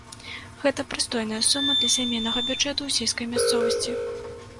Гэта прыстойная сума для сямейнага бюджэту ў сельскай мясцовасці.